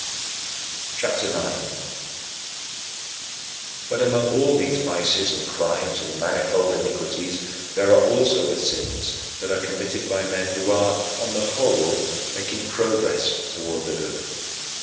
CHAPTER IX 17. But among all these vices and crimes and manifold iniquities, there are also the sins that are committed by men who are, on the whole, making progress toward the good.